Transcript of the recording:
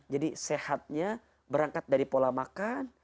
jadi sehatnya berangkat dari pola makan